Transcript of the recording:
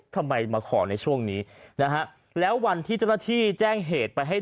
ทำไมมาขอในช่วงนี้นะฮะแล้ววันที่เจ้าหน้าที่แจ้งเหตุไปให้